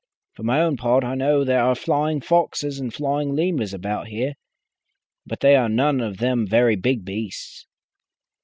For my own part, I know there are flying foxes and flying lemurs about here, but they are none of them very big beasts."